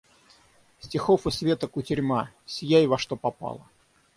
Стихов и света кутерьма — сияй во что попало!